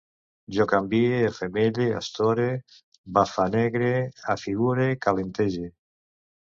Jo canvie, afemelle, astore, bafanege, afigure, calentege